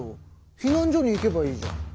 避難所に行けばいいじゃん。